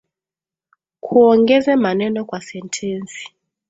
Kuongeze maneno kwa sentensi